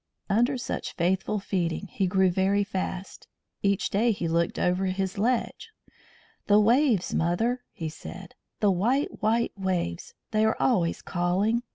Under such faithful feeding he grew fast. Each day he looked over his ledge. "The waves, mother!" he said. "The white, white waves! They are always calling.